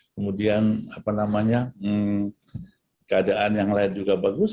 kemudian keadaan yang lain juga bagus